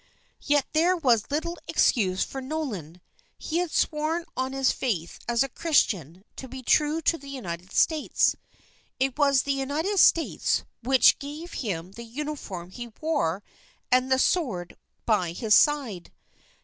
Yet there was little excuse for Nolan. He had sworn on his faith as a Christian to be true to the United States. It was the United States which gave him the uniform he wore and the sword by his side.